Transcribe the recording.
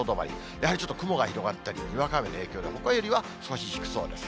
やはりちょっと雲が広がったり、にわか雨の影響はほかよりは少し低そうです。